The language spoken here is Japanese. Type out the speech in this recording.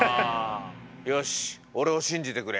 よし俺を信じてくれ。